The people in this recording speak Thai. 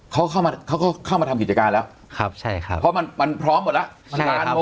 เขาก็เข้ามาทำกิจการแล้วเพราะมันพร้อมหมดแล้ว